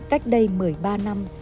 cách đây một mươi ba năm